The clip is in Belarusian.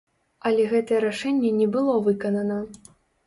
Але гэтае рашэнне не было выканана.